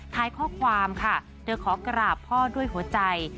ท้ายข้อความค่ะเธอขอกราบพ่อด้วยหัวใจ